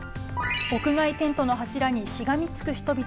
屋外テントの柱にしがみつく人々。